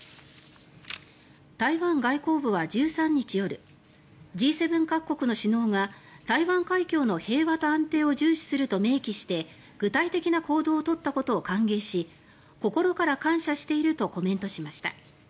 台湾外交部は１３日夜Ｇ７各国の首脳が台湾海峡の平和と安定を重視すると明記して具体的な行動を取ったことを歓迎し心から感謝しているとコメントしました。